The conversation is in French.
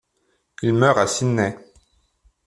Il meurt à Sydney.